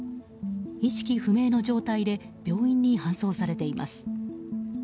意識不明の状態で病院に搬送されています。